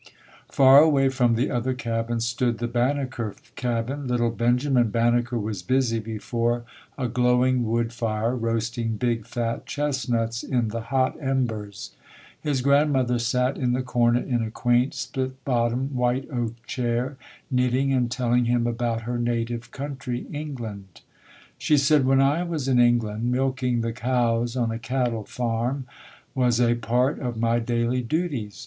Far away from the other cabins stood the Ban neker cabin. Little Benjamin Banneker was busy before a glowing wood fire roasting big, fat chest nuts in the hot embers. His grandmother sat in the corner in a quaint split bottom, white oak chair, knitting and telling him about her native country, England. 154 ] UNSUNG HEROES She said, "When I was in England, milking the cows on a cattle farm was a part of my daily duties.